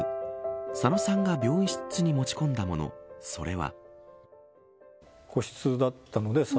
佐野さんが病室に持ち込んだものそれは。